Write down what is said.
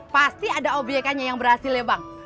pasti ada obk nya yang berhasil ya bang